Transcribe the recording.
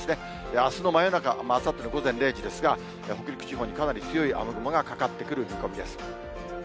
あすの真夜中、あさっての午前０時ですが、北陸地方にかなり強い雨雲がかかってくる見込みです。